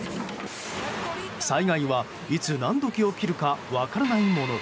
災害は、いつ何時起きるか分からないもの。